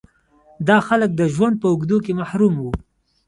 دا خلک د ژوند په اوږدو کې محروم وو.